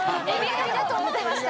エビだと思ってました！